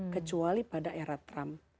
kecuali pada era trump